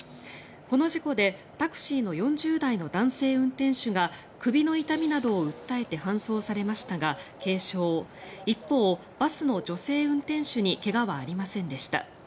この事故でタクシーの４０代の男性運転手が首の痛みなどを訴えて搬送されましたが軽傷一方、バスの女性運転手に怪我はありませんでした。